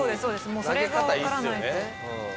もうそれがわからないんで。